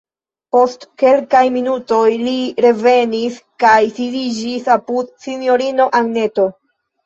Post kelkaj minutoj li revenis kaj sidiĝis apud sinjorino Anneto.